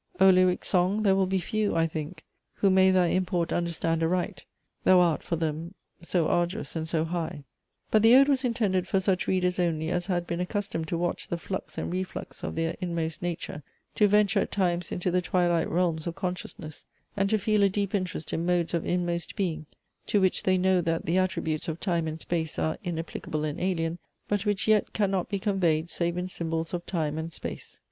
"O lyric song, there will be few, I think, Who may thy import understand aright: Thou art for them so arduous and so high!" But the ode was intended for such readers only as had been accustomed to watch the flux and reflux of their inmost nature, to venture at times into the twilight realms of consciousness, and to feel a deep interest in modes of inmost being, to which they know that the attributes of time and space are inapplicable and alien, but which yet can not be conveyed, save in symbols of time and space.